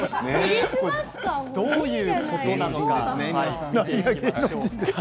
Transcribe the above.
どういうことなのか